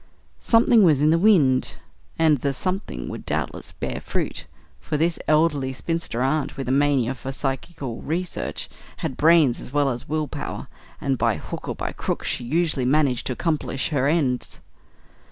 Something was in the wind, and the "something" would doubtless bear fruit; for this elderly spinster aunt, with a mania for psychical research, had brains as well as will power, and by hook or by crook she usually managed to accomplish her ends.